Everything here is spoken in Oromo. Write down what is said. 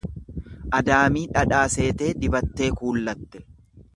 Adaamii dhadhaa seetee dibattee kuullatte.